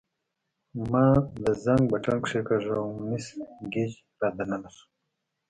ما د زنګ بټن کښېکاږه او مس ګېج را دننه شوه.